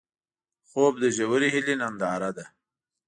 خوب د ژورې هیلې ننداره ده